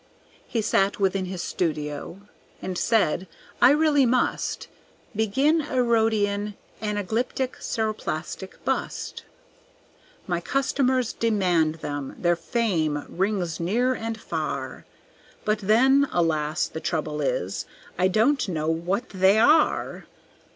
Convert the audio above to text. He sat within his studio and said, "I really must Begin a Rhodian anaglyptic ceroplastic bust. "My customers demand them, their fame rings near and far, But then, alas, the trouble is, I don't know what they are.